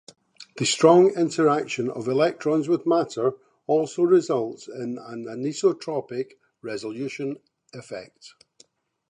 The strong interaction of electrons with matter also results in an anisotropic resolution effect.